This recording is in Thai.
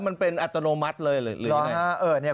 มันเป็นอัตโนมัติเลยหรือยังไง